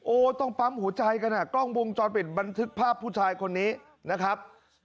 ต้องปั๊มหัวใจกันอ่ะกล้องวงจรปิดบันทึกภาพผู้ชายคนนี้นะครับ